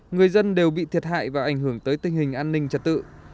người dân đều bị thiệt hại và ảnh hưởng tới tình hình an ninh trật tự